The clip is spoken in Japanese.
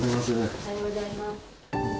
おはようございます。